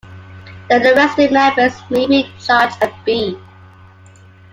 The arrested members may be charged a fee.